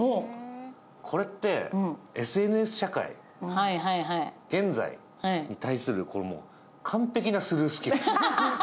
これって、ＳＮＳ社会、現在に対する完璧なスルースキルですね。